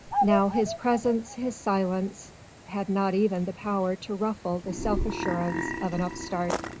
Now his presence, his silence, had not even the power to ruffle the self assurance of an upstart.